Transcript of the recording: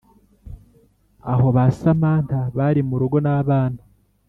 aho ba samantha bari murugo nabana